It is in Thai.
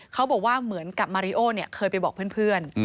เขาบอกว่าเหมือนกับมาริโอเคยไปบอกเพื่อน